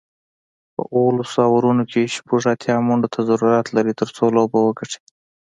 په اوولس اورونو کې شپږ اتیا منډو ته ضرورت لري، ترڅو لوبه وګټي